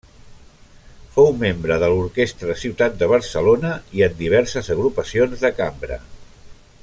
Fou membre de l'Orquestra Ciutat de Barcelona i en diverses agrupacions de cambra.